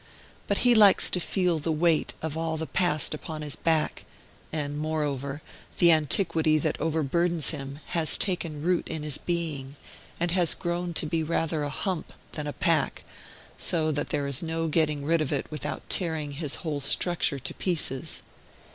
But he likes to feel the weight of all the past upon his back; and, moreover, the antiquity that overburdens him has taken root in his being, and has grown to be rather a hump than a pack, so that there is no getting rid of it without tearing his whole structure to pieces.